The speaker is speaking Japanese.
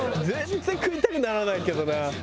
全然食いたくならないけどな。